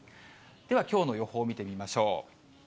ではきょうの予報見てみましょう。